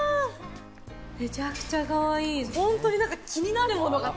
めちゃくちゃかわいい！